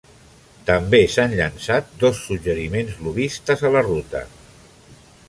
També s"han llançat dos suggeriments lobbistes a la ruta.